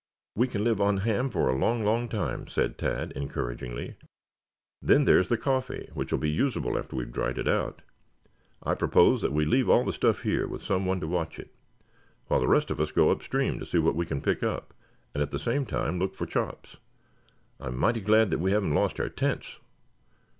"We can live on ham for a long, long time," said Tad encouragingly. "Then there is the coffee which will be usable after we have dried it out. I propose that we leave all the stuff here with someone to watch it, while the rest of us go upstream to see what we can pick up, and at the same time look for Chops. I am mighty glad that we haven't lost our tents.